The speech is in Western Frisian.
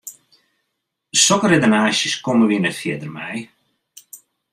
Sokke redenaasjes komme wy net fierder mei.